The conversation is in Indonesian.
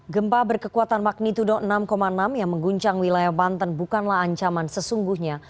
gempa berkekuatan magnitudo enam enam yang mengguncang wilayah banten bukanlah ancaman sesungguhnya